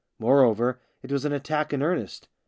Moreover, it was an attack in earnest.